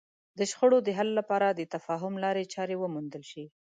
د شخړو د حل لپاره د تفاهم لارې چارې وموندل شي.